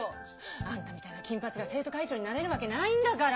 あんたみたいな金髪が生徒会長になれるわけないんだから。